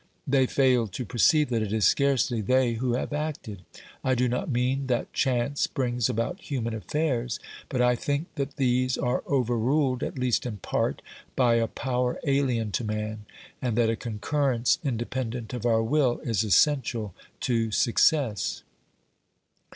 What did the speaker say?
— They fail to perceive that it is scarcely they who have acted. I do not OBERMANN 157 mean that chance brings about human affairs, but I think that these are overruled, at least in part, by a power alien to man, and that a concurrence independent of our will is essential to success.